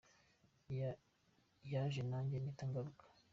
Yaje nanjye mpita ngaruka.